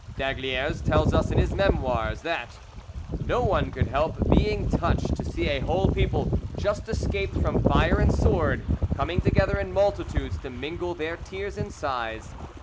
D'Aygaliers tells us in his Memoirs that—"No one could help being touched to see a whole people just escaped from fire and sword, coming together in multitudes to mingle their tears and sighs.